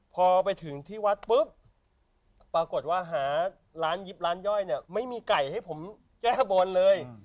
พอไปถึงที่วัดปุ๊บปรากฏว่าหาร้านยิบร้านย่อยเนี่ยไม่มีไก่ให้ผมแก้บนเลย